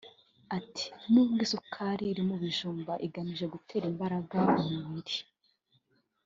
Ati “Nubwo isukari iri mu bijumba igamije gutera imbaraga umubiri